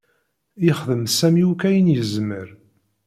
Yexdem Sami akk ayen yezmer.